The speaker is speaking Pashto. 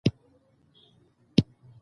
ازادي راډیو د اقلیتونه حالت په ډاګه کړی.